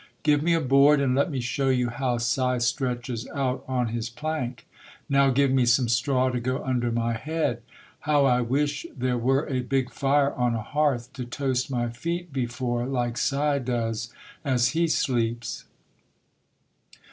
Give me a board and let me show you how Si stretches out on his plank. Now give me some straw to go under my head. How I wish there were a big fire on a hearth to toast my feet before, like Si does as he sleeps!"